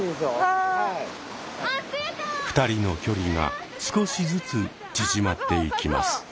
２人の距離が少しずつ縮まっていきます。